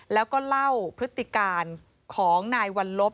แล้วก็เล่าพฤติการของนายวัลลบ